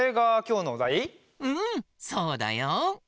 うんそうだよ。